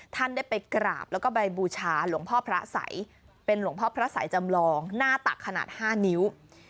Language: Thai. ท่านได้ไปกราบแล้วก็ใบบูชาหลวงพ่อพระสัยเป็นหลวงพ่อพระสัยจำลองหน้าตักขนาด๕นิ้ว